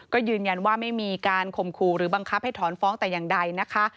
ก็ยืนยันว่าไม่มีการข่มขู่หรือบังคับให้ถอนฟ้องแต่อย่างใดนะคะ